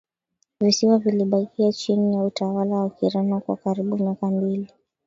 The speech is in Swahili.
Visiwa vilibakia chini ya utawala wa Kireno kwa karibu miaka mia mbili